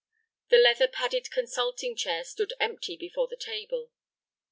The leather padded consulting chair stood empty before the table.